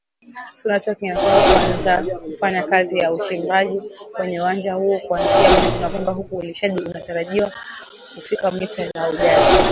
Sonatrach inapanga kuanza kufanya kazi ya uchimbaji kwenye uwanja huo kuanzia mwezi Novemba huku uzalishaji ukitarajiwa kufikia mita za ujazo